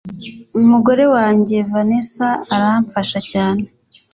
Umugore wanjye Vanessa aramfasha cyane